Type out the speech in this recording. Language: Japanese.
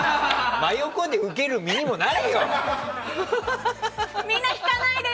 真横で受ける身にもなれよ。